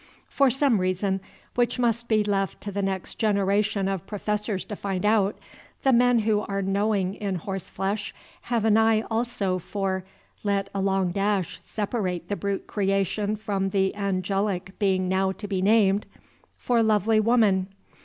For some reason which must be left to the next generation of professors to find out, the men who are knowing in horse flesh have an eye also for, let a long dash separate the brute creation from the angelic being now to be named, for lovely woman.